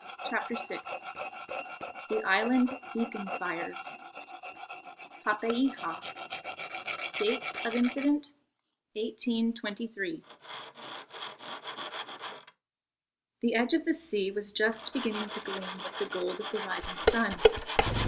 ] CHAPTER VI THE ISLAND BEACON FIRES Papeiha (Date of Incident, 1823) The edge of the sea was just beginning to gleam with the gold of the rising sun.